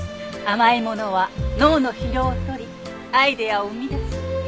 「甘いものは脳の疲労を取りアイデアを生み出す」。